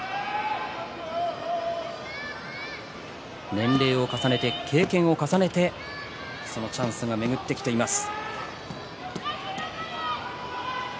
年齢を重ねて、経験を重ねてそのチャンスが巡ってきています。